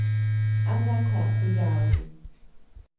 ¿A na koʼod kuyadud?